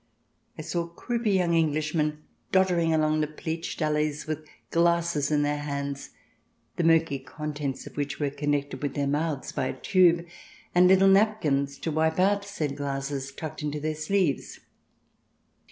I saw croupy young Englishmen doddering along the pleached alleys, with glasses in their hands, the murky con tents of which were connected with their mouths by a tube, and little napkins to wipe out said glasses, tucked into their sleeves.